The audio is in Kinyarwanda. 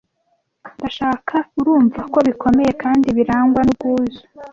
ndashaka urumva ko bikomeye kandi birangwa n'ubwuzu